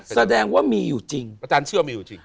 แสดงว่ามีอยู่จริงอาจารย์เชื่อมีอยู่จริง